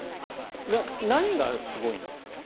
何がすごいんですか。